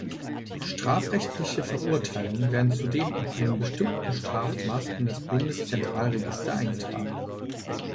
Strafrechtliche Verurteilungen werden zudem ab einem bestimmten Strafmaß in das Bundeszentralregister eingetragen.